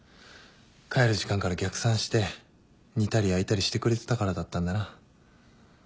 帰る時間から逆算して煮たり焼いたりしてくれてたからだったんだな。